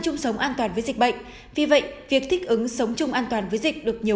chung sống an toàn với dịch bệnh vì vậy việc thích ứng sống chung an toàn với dịch được nhiều